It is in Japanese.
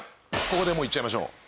ここでもういっちゃいましょう。